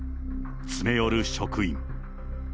詰め寄る職員。